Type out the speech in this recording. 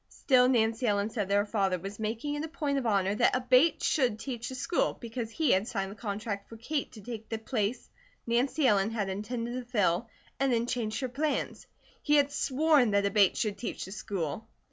Still Nancy Ellen said that her father was making it a point of honour that a Bates should teach the school, because he had signed the contract for Kate to take the place Nancy Ellen had intended to fill, and then changed her plans. He had sworn that a Bates should teach the school.